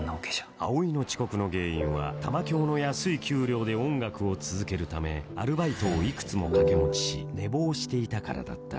蒼の遅刻の原因は玉響の安い給料で音楽を続けるためアルバイトをいくつも掛け持ちし寝坊していたからだった